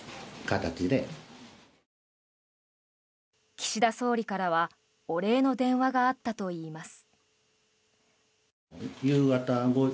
岸田総理からはお礼の電話があったといいます。